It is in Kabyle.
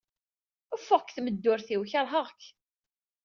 Ffeɣ seg tmeddurt-iw. Keṛheɣ-k.